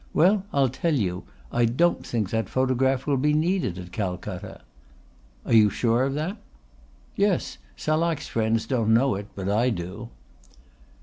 Well, I'll tell you. I don't think that photograph will be needed at Calcutta." "Are you sure of that?" "Yes. Salak's friends don't know it, but I do."